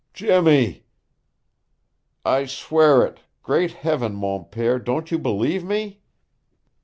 "Jimmy!" "I swear it! Great heaven, mon pere, don't you believe me?"